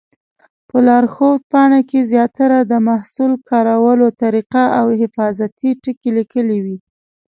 په لارښود پاڼه کې زیاتره د محصول کارولو طریقه او حفاظتي ټکي لیکلي وي.